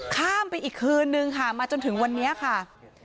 ข้ามไปอีกคืนนึงค่ะมาจนถึงวันนี้ค่ะ